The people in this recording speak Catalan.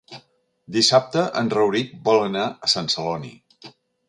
Dissabte en Rauric vol anar a Sant Celoni.